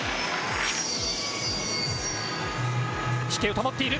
飛型を保っている。